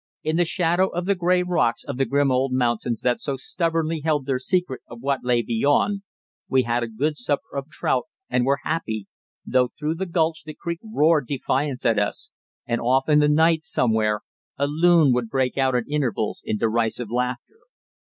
In the shadow of the grey rocks of the grim old mountains that so stubbornly held their secret of what lay beyond, we had a good supper of trout and were happy, though through the gulch the creek roared defiance at us, and off in the night somewhere a loon would break out at intervals in derisive laughter.